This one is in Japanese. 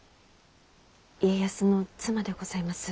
家康の妻でございます。